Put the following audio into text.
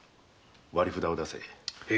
割り札を出せ。